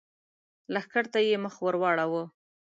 لښکر ته يې مخ ور واړاوه!